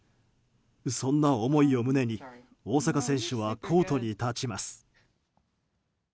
そんな思いを胸に大坂選手はコートに立ちます。